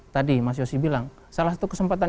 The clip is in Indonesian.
tadi mas yosi bilang salah satu kesempatan